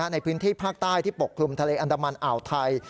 ในพื้นที่ภาคใต้ที่ปกคลุมทะเลอันดามันอ่าวไทย